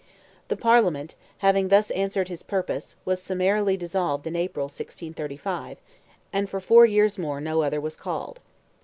The Parliament, having thus answered his purpose, was summarily dissolved in April, 1635, and for four years more no other was called.